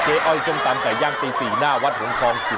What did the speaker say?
เจ๊อ้อยจมตำกะย่างตี๔หน้าวัดหวงทอง